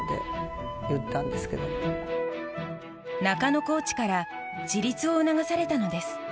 中野コーチから自立を促されたのです。